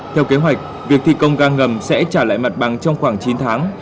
theo kế hoạch việc thi công ga ngầm sẽ trả lại mặt bằng trong khoảng chín tháng